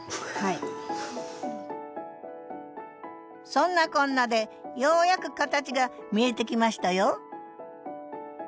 そんなこんなでようやく形が見えてきましたよ